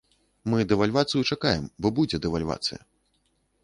Мы дэвальвацыю чакаем, бо будзе дэвальвацыя.